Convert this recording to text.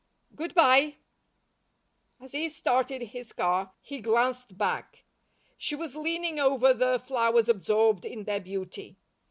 Good bye!" As he started his car he glanced back. She was leaning over the flowers absorbed in their beauty.